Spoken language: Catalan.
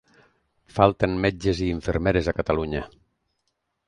Falten metges i infermeres a Catalunya.